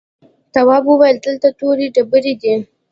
تواب وويل: دلته تورې ډبرې دي.